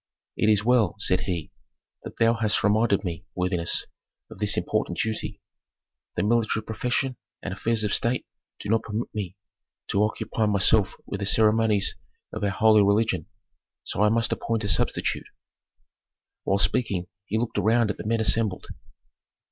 "It is well," said he, "that thou hast reminded me, worthiness, of this important duty. The military profession and affairs of state do not permit me to occupy myself with the ceremonies of our holy religion, so I must appoint a substitute." While speaking he looked around at the men assembled.